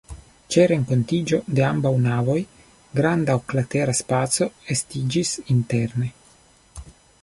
Ĉe renkontiĝo de ambaŭ navoj granda oklatera spaco estiĝis interne.